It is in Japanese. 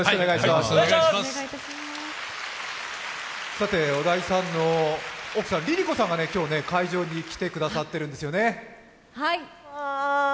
さて、小田井さんの奥さんのＬｉＬｉＣｏさんが今日、会場に来てくださっているんですよね。